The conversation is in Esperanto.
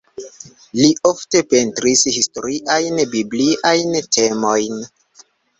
Li ofte pentris historiajn, bibliajn temojn.